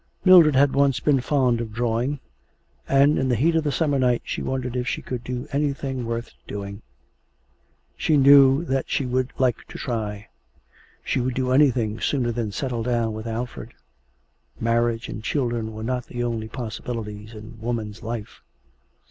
Mildred had once been fond of drawing, and in the heat of the summer night she wondered if she could do anything worth doing. She knew that she would like to try. She would do anything sooner than settle down with Alfred. Marriage and children were not the only possibilities in woman's life.